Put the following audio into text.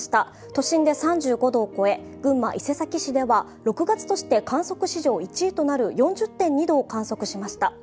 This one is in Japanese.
都心で３５度を超え、群馬・伊勢崎市では６月として観測史上１位となる４０．２度を観測しました。